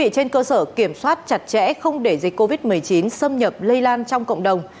trên cơ sở kiểm soát chặt chẽ không để dịch covid một mươi chín xâm nhập lây lan trong cộng đồng